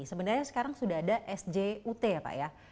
sebenarnya sekarang sudah ada sjut ya pak ya